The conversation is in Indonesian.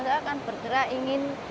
saya kan bergerak ingin